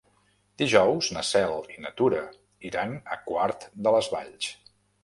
Dijous na Cel i na Tura iran a Quart de les Valls.